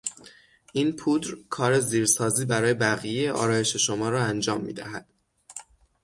این پودر، کار زیرسازی برای بقیهی آرایش شما را انجام میدهد.